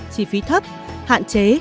chi phí thấp hạn chế